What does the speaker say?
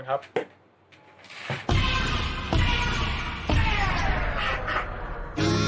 โอเค